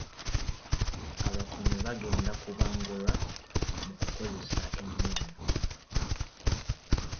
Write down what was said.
Abakuumi bagenda kubangulwa mu kukozesa emmundu.